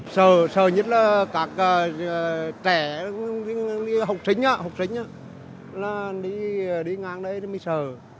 sợ nhất là các trẻ học sinh đi ngang đấy mới sợ